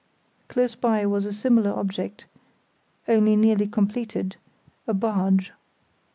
Close by was a similar object, only nearly completed—a barge.